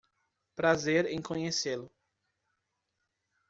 Prazer em conhecê-lo.